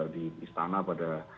di istana pada